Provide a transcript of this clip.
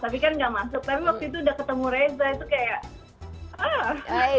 tapi waktu itu udah ketemu resa itu kayak